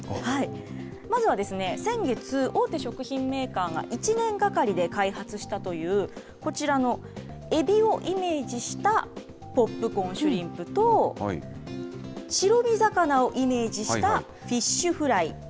まずは先月、大手食品メーカーが１年がかりで開発したという、こちらのエビをイメージしたポップコーンシュリンプと、白身魚をイメージしたフィッシュフライ。